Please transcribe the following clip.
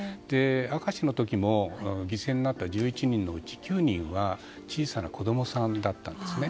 明石の時も犠牲になった１１人のうち９人は小さな子供さんだったんですね。